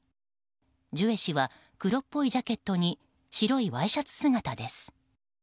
ジュエ氏は黒っぽいジャケットに白いワイシャツ姿です。